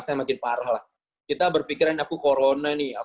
saya nggak ngerti juga kedokteran ya mbak